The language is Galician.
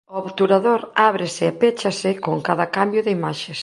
O obturador ábrese e péchase con cada cambio de imaxes.